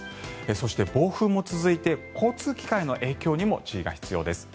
そして、暴風も続いて交通機関への影響にも注意が必要です。